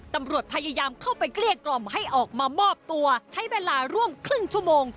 ตำรวจพยายามเข้าไปเกลี้ยกล่อมให้ออกมามอบตัวใช้เวลาร่วมครึ่งชั่วโมง